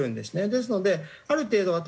ですのである程度は。